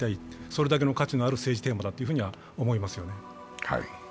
それだけの価値のある政治テーマだというふうに思いますよね。